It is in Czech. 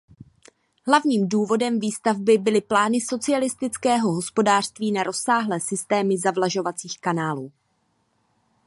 Hlavním důvodem výstavby byly plány socialistického hospodářství na rozsáhlé systémy zavlažovacích kanálů.